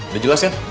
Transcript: udah jelas kan